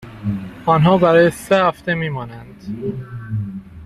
آنها برای سه هفته می مانند.